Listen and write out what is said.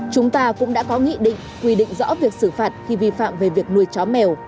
chúng ta cũng đã có nghị định quy định rõ việc xử phạt khi vi phạm về việc nuôi chó mèo